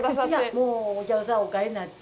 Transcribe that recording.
いや、もうお客さんお帰りになって。